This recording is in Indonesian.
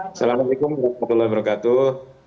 assalamualaikum warahmatullahi wabarakatuh